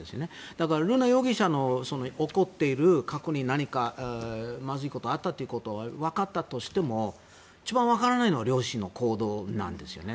だから瑠奈容疑者の怒っている過去に何かまずいことがあったということがわかったとしても一番わからないのは両親の行動なんですよね。